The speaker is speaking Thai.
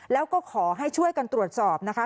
แล้วก็ขอให้ช่วยกันตรวจสอบนะคะ